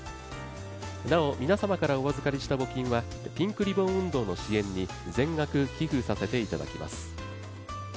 なお、皆様からお預かりした募金はピンクリボン運動の支援に全額寄付させていただきます。